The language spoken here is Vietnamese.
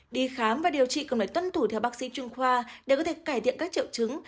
đi khám và điều trị cần phải tuân thủ theo bác sĩ chuyên khoa để có thể cải thiện các triệu chứng